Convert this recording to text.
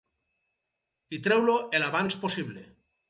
I treu-lo el abans possible.